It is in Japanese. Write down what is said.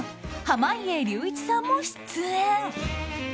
濱家隆一さんも出演。